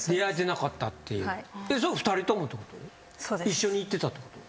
一緒に行ってたってこと？